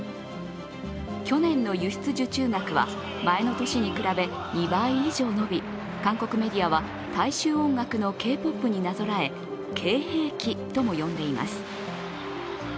去年の輸出受注額は前の年に比べ２倍以上伸び、韓国メディアは大衆音楽のＫ−ＰＯＰになぞらえＫ兵器とも呼んでいます。